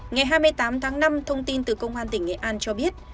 ngày hai mươi tám tháng năm thông tin từ công an tỉnh nghệ an cho biết